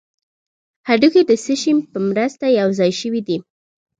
هډوکي د څه شي په مرسته یو ځای شوي دي